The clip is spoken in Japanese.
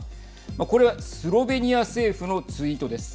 これ、スロベニア政府のツイートです。